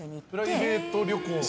プライベート旅行。